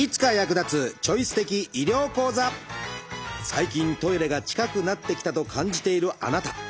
最近トイレが近くなってきたと感じているあなた。